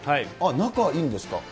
仲いいんですか？